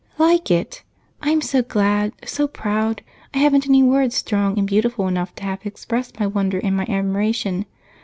"Like it! I'm so glad, so proud, I haven't any words strong and beautiful enough to half express my wonder and my admiration.